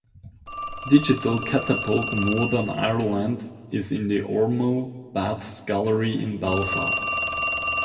Digital Catapult Northern Ireland is in the Ormeau Baths Gallery in Belfast.